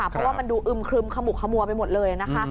เพราะว่ามันดูอึมครึมขมุกขมัวไปหมดเลยนะคะ